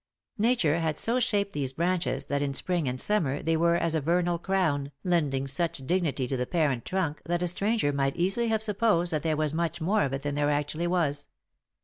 Nature had so shaped these branches that in spring and summer they were as a vernal crown, lending such dignity to the parent trunk that a stranger might easily have supposed that there was much more of it than there actually was.